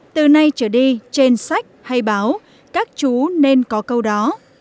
từ nay trở đi trên sách hay báo các chú nên có câu đó